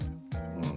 うん。